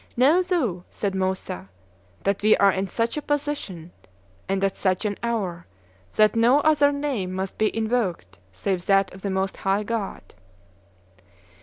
"Know thou," said Moussa, "that we are in such a position and at such an hour that no other name must be invoked save that of the most high God."